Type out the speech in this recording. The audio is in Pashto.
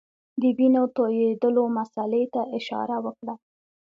د وینو تویېدلو مسلې ته اشاره وکړه.